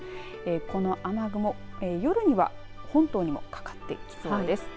この雨雲夜には本島にもかかってきそうです。